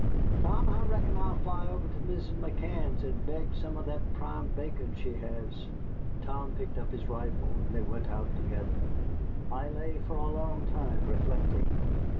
Tom, I reckon I'll fly over to Mrs. McCann's an' beg some of that prime bacon she has." Tom picked up his rifle, and they went out together. I lay for a long time reflecting.